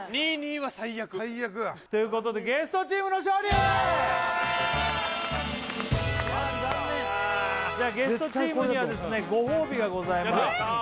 ２２は最悪最悪だということでゲストチームの勝利やった残念ゲストチームにはですねご褒美がございますやった！